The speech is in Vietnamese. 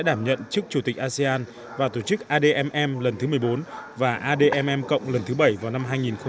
đảm nhận chức chủ tịch asean và tổ chức admm lần thứ một mươi bốn và admm cộng lần thứ bảy vào năm hai nghìn hai mươi